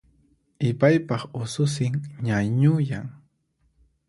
Ipaypaq ususin ñañuyan